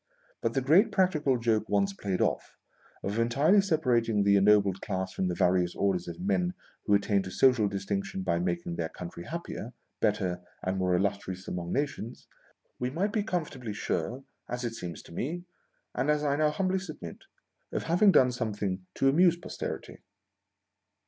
But, the great practical joke once played off, of entirely separating the ennobled class from the various orders of men who attain to social distinction by making their country .happier, better, and more illustrious among nations, we might be corn 'fortably sure, as it seems to me — and as I now humbly submit — of having done something to amuse Posterity.